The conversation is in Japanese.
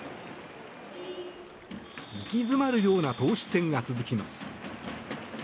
息詰まるような投手戦が続きます。